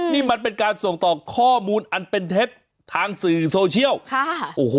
นี่มันเป็นการส่งต่อข้อมูลอันเป็นเท็จทางสื่อโซเชียลค่ะโอ้โห